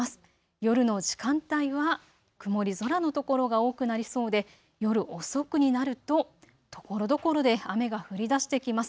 夜の時間帯は曇り空の所が多くなりそうで夜遅くになると、ところどころで雨が降りだしてきます。